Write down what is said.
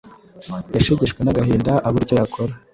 yashegeshwe n'agahinda abura icyo yakora